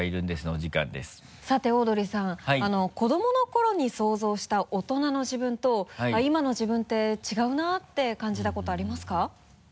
子どもの頃に想像した大人の自分と今の自分って違うなって感じたことありますか？